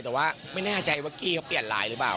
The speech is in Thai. แต่ว่าไม่แน่ใจว่ากี้เขาเปลี่ยนไลน์หรือเปล่า